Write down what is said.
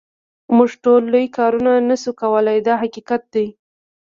موږ ټول لوی کارونه نه شو کولای دا حقیقت دی.